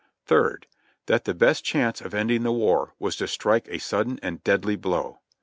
3rd. That the best chance of ending the war was to strike a sudden and deadly blow.